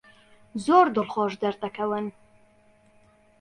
زۆر دڵخۆش دەردەکەون.